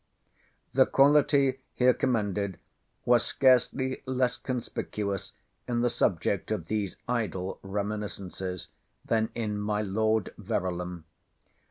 The quality here commended was scarcely less conspicuous in the subject of these idle reminiscences, than in my Lord Verulam.